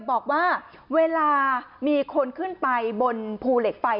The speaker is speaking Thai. บอกว่าเวลามีคนขึ้นไปบนภูเหล็กไฟ